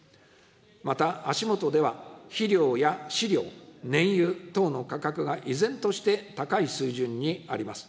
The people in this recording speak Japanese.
また足下では、肥料や飼料、燃油等の価格が依然として高い水準にあります。